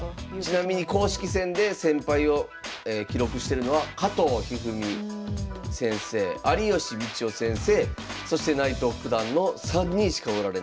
ちなみに公式戦で１，０００敗を記録してるのは加藤一二三先生有吉道夫先生そして内藤九段の３人しかおられない。